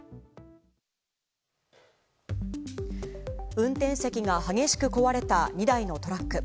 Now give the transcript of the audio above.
運転席が激しく壊れた２台のトラック。